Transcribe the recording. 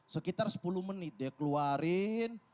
sekitar sepuluh menit dia keluarin